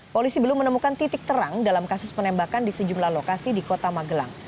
polisi belum menemukan titik terang dalam kasus penembakan di sejumlah lokasi di kota magelang